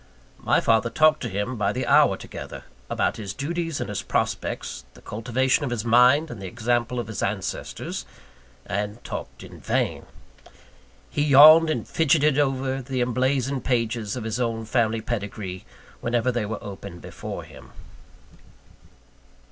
My father talked to him by the hour together, about his duties and his prospects, the cultivation of his mind, and the example of his ancestors; and talked in vain. He yawned and fidgetted over the emblazoned pages of his own family pedigree, whenever they were opened before him.